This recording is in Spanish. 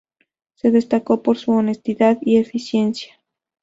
Se destacó por su honestidad y eficiencia.